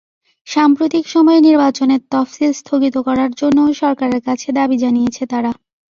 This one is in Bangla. সাম্প্রতিক সময়ে নির্বাচনের তফসিল স্থগিত করার জন্যও সরকারের কাছে দাবি জানিয়েছে তারা।